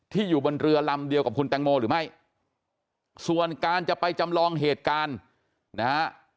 อยู่บนเรือลำเดียวกับคุณแตงโมหรือไม่ส่วนการจะไปจำลองเหตุการณ์นะฮะ